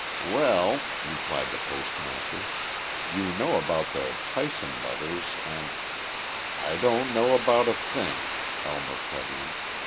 "Well," replied the postmaster, "you know about the Tyson letters and " "I don't know about a thing," Elmer cut in.